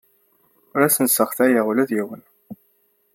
Ur as-sseɣtayeɣ ula i yiwen.